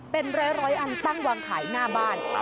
เป็นร้อยอันตั้งวางขายหน้าบ้าน